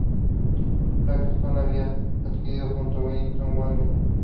Blackstone lo había adquirido junto a Wyndham Worldwide.